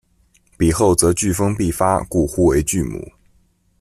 比候则飓风必发，故呼为飓母。